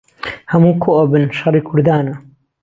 ههموو کۆ ئهبن شهڕی کوردانه